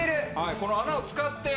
この穴を使って。